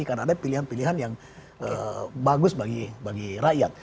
karena ada pilihan pilihan yang bagus bagi rakyat